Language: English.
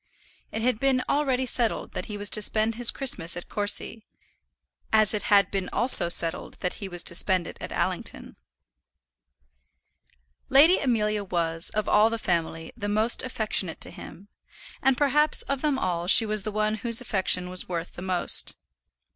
It had been already settled that he was to spend his Christmas at Courcy; as it had been also settled that he was to spend it at Allington. Lady Amelia was, of all the family, the most affectionate to him, and perhaps of them all she was the one whose affection was worth the most.